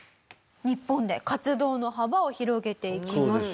日本で活動の幅を広げていきます。